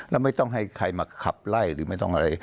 แล้วไม่ต้องให้ใครมาขับไล่หรือไม่ต้องอะไร